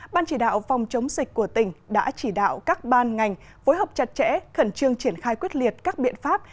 ban chỉ đạo phòng chống dịch của tỉnh đã chỉ đạo các ban ngành phối hợp chặt chẽ khẩn trương triển khai quyết liệt các biện pháp